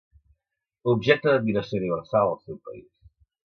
Objecte d'admiració universal al seu país.